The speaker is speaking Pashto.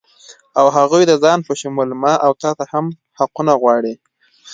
او هغوی د ځان په شمول ما و تاته هم حقونه غواړي